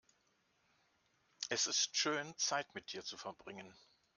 Es ist schön, Zeit mit dir zu verbringen.